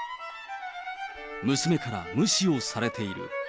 娘から無視をされている。